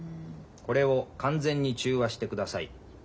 これを完全に中和してください。